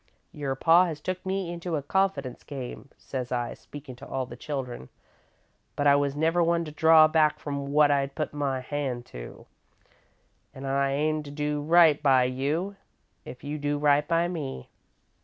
Your pa has took me into a confidence game,' says I, speakin' to all the children, 'but I was never one to draw back from what I'd put my hand to, an' I aim to do right by you if you do right by me.